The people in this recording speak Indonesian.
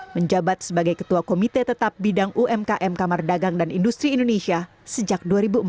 menjabat sebagai ketua komite tetap bidang umkm kamar dagang dan industri indonesia sejak dua ribu empat